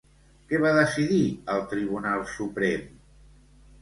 Què va decidir el Tribunal Suprem?